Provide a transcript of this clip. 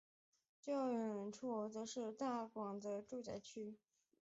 较远处则是广大的住宅区。